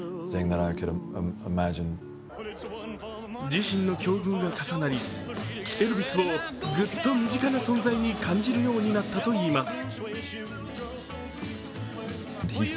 自身の境遇が重なり、エルヴィスをグッと身近な存在に感じるようになったといいます。